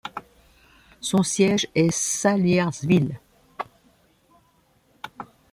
Son siège est Salyersville.